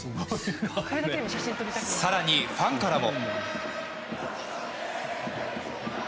更に、ファンからも。